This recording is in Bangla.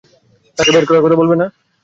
তাকে ডেট করার কথা বলবে না?